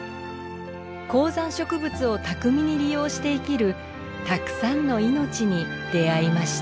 高山植物を巧みに利用して生きるたくさんの命に出会いました。